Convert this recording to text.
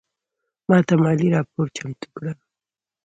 ماته مالي راپور چمتو کړه